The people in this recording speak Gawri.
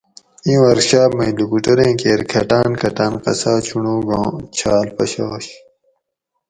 ایں ورکشاپ مئ لوکوٹوریں کیر کھٹاۤن کھٹاۤں قصا چونڑوگاں چھال پشاںش